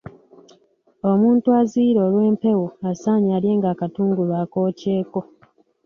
Omuntu aziyira olw'empewo asaanye alyenga akatungulu akookyeko.